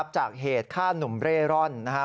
จากเหตุฆ่าหนุ่มเร่ร่อนนะครับ